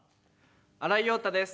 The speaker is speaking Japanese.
新井庸太です。